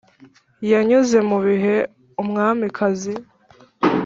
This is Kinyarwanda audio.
yanyuze mu bihe - umwamikazi!